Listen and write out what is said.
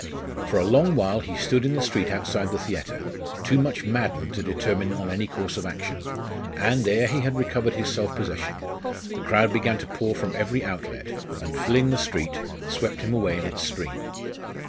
For a long while he stood in the street outside the theatre, too much maddened to determine on any course of action; and, ere he had recovered his self possession, the crowd began to pour from every outlet, and filling the street, swept him away in its stream.